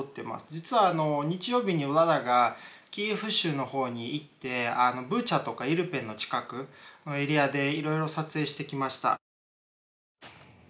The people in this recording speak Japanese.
実は日曜日にヴラダがキーフ州の方に行ってブチャとかイルペンの近くのエリアでいろいろ撮影してきました。